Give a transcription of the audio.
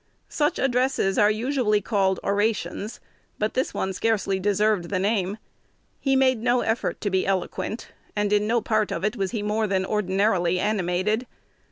Such addresses are usually called orations; but this one scarcely deserved the name. He made no effort to be eloquent, and in no part of it was he more than ordinarily animated.